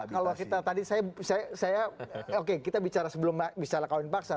kalau kita tadi saya oke kita bicara sebelum bicara kawin paksa